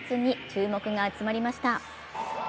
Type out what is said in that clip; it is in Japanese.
注目が集まりました。